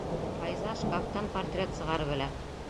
Файза шкафтан портрет сығарып элә.